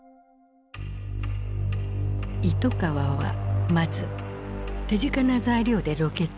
糸川はまず手近な材料でロケットをつくった。